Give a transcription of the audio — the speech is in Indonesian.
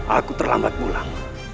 aku terlambat pulang